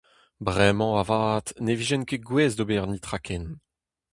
Bremañ, avat, ne vijen ket gouest d'ober netra ken.